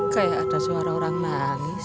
kayak ada suara orang nangis